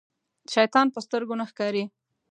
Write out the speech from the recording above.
شيطان په سترګو نه ښکاري.